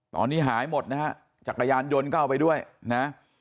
ตอนนี้หายหมดนะฮะจักรยานยนต์ก็เอาไปด้วยนะ